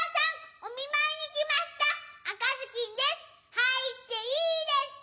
はいっていいですか？